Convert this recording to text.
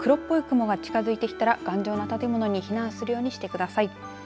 このあとも黒っぽい雲が近づいてきたら頑丈な建物に避難するようにしてください。